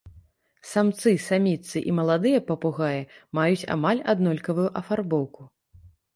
Самцы, саміцы і маладыя папугаі маюць амаль аднолькавую афарбоўку.